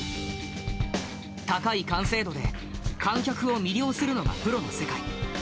高い完成度で、観客を魅了するのがプロの世界。